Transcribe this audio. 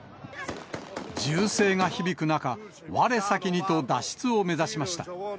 銃声が響く中、われさきにと脱出を目指しました。